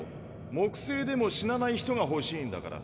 木星でも死なない人がほしいんだから。